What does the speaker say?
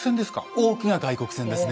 多くが外国船ですね。